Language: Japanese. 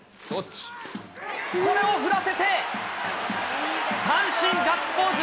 これを振らせて、三振、ガッツポーズ。